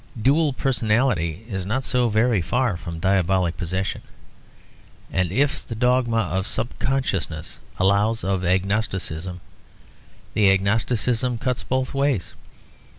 Dual personality is not so very far from diabolic possession. And if the dogma of subconsciousness allows of agnosticism, the agnosticism cuts both ways.